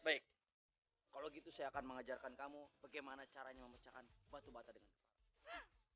baik kalau gitu saya akan mengajarkan kamu bagaimana caranya memecahkan batu bata dengan baik